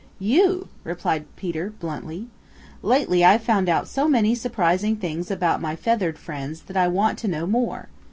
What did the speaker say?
"You," replied Peter bluntly. "Lately I've found out so many surprising things about my feathered friends that I want to know more.